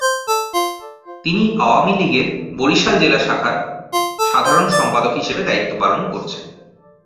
তিনি আওয়ামী লীগের বরিশাল জেলা শাখার সাধারণ সম্পাদক হিসেবে দায়িত্ব পালন করছেন।